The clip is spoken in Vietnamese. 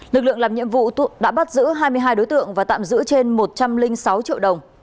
lực lượng làm nhiệm vụ đã bắt giữ hai mươi hai đối tượng và tạm giữ trên một trăm linh sáu triệu đồng